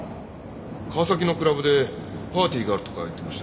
川崎のクラブでパーティーがあるとか言ってました。